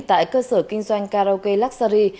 tại cơ sở kinh doanh karaoke luxury